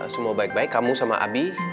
semua baik baik kamu sama abi